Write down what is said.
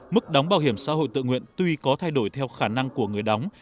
mức đóng bảo hiểm xã hội tự nguyện tuy có thay đổi theo khả năng của người đóng